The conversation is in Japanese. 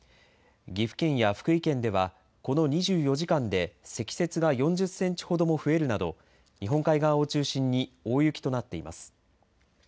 岐阜県や福井県ではこの２４時間で積雪が４０センチほども増えるなど日本海側を中心に大雪となっています。